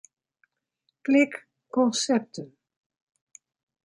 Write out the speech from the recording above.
Klik Konsepten.